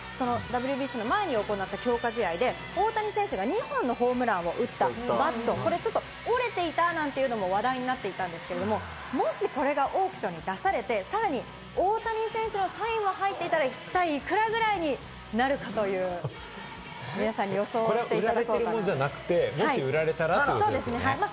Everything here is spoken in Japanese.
あの強化試合、ＷＢＣの前に行った強化試合で大谷選手が２本のホームランを打ったバット、折れていたなんていうのも話題になっていたんですけど、もしこれがオークションに出されて、さらに大谷選手のサインも入っていたら、いくらぐらいになるか、皆さんに予想していただこうかと。